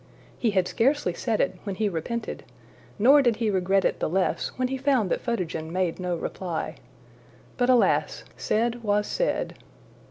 '' He had scarcely said it, when he repented; nor did he regret it the less when he found that Photogen made no reply. But alas! said was said.